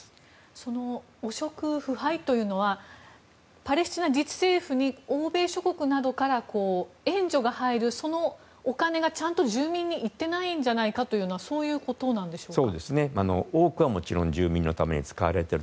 その汚職、腐敗というのはパレスチナ自治政府に欧米諸国などから援助が入るお金がちゃんと住民にいってないんじゃないかというのはそういうことでしょうか？